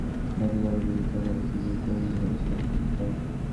দক্ষিণ চীন সাগরে চীনের মালিকানা দাবি করার বিরুদ্ধে আদালতে গিয়ে জয়ী হয়েছে ফিলিপাইন।